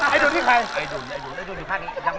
ไอ้ดุลที่ใคร